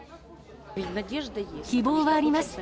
希望はあります。